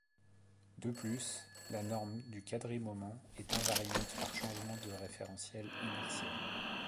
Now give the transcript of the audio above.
De plus, la norme du quadri-moment est invariante par changement de référentiel inertiel.